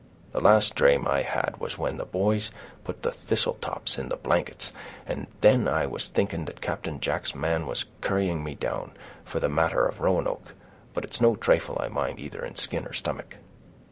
The last drame I had was when the boys put the thistle tops in the blankets, and then I was thinking that Captain Jack's man was currying me down, for the matter of Roanoke, but it's no trifle I mind either in skin or stomach."